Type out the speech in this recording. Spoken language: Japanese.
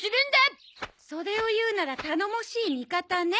それを言うなら「頼もしい味方」ね。